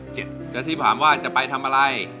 แท็กซี่ถามว่าจะไปทำอะไร